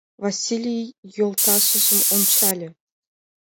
— Васлий йолташыжым ончале.